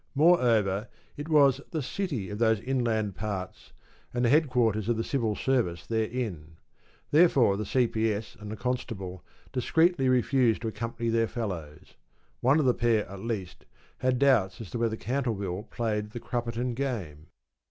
Moreover, it was the ‘City’ of those inland parts, and the headquarters of the Civil Service therein. Therefore the C.P.S. and the Constable discreetly refused to accompany their fellows. One of the pair, at least, had doubts as to whether Cantleville played the Crupperton game.